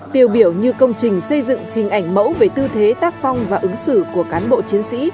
tiêu biểu như công trình xây dựng hình ảnh mẫu về tư thế tác phong và ứng xử của cán bộ chiến sĩ